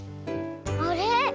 あれ？